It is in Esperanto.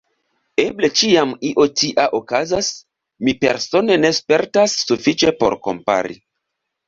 Eble ĉiam io tia okazas, mi persone ne spertas sufiĉe por kompari.